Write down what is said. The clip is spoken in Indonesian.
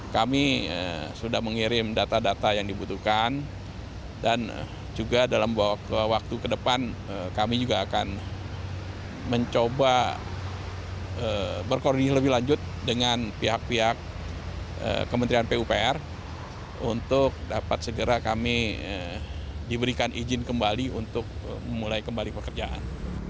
kami sudah mengirim data data yang dibutuhkan dan juga dalam waktu ke depan kami juga akan mencoba berkoordinasi lebih lanjut dengan pihak pihak kementerian pupr untuk dapat segera kami diberikan izin kembali untuk memulai kembali pekerjaan